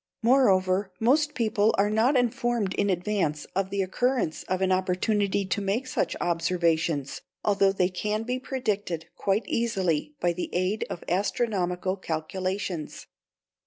Moreover, most people are not informed in advance of the occurrence of an opportunity to make such observations, although they can be predicted quite easily by the aid of astronomical calculations.